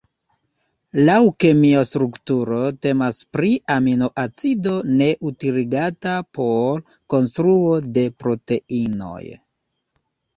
Laŭ kemia strukturo temas pri aminoacido ne utiligata por konstruo de proteinoj.